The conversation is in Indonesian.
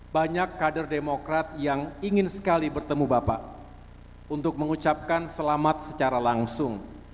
banyak kader demokrat yang ingin sekali bertemu bapak untuk mengucapkan selamat secara langsung